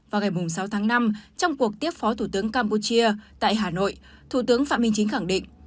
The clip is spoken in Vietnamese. vào ngày sáu tháng năm trong cuộc tiếp phó thủ tướng campuchia tại hà nội thủ tướng phạm minh chính khẳng định